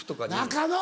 中野！